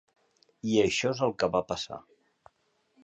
I això és el que va passar.